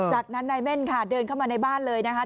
จากนั้นนายเม่นค่ะเดินเข้ามาในบ้านเลยนะคะ